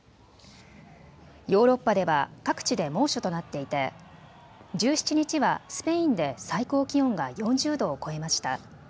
ヨーロッパでは各地で猛暑となっていて１７日はスペインで最高気温が４０度を超えました。